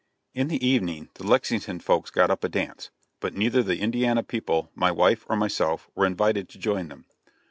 In the evening the Lexington folks got up a dance, but neither the Indiana people, my wife or myself were invited to join them.